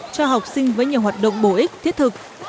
cho học sinh với nhiều hoạt động bổ ích thiết thực